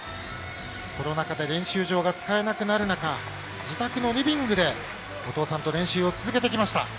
コロナ禍で練習場が使えなくなる中自宅のリビングでお父さんと練習を続けてきました。